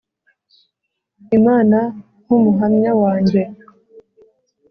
imana nkumuhamya wanjye.